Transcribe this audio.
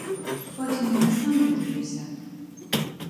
Потім він і сам підвівся.